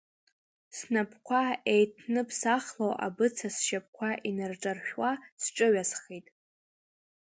Снапқәа еиҭныԥсахло, абыца сшьапқәа инарҿаршәуа, сҿыҩасхеит.